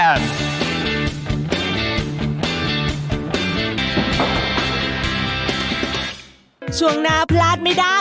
เอากลับมา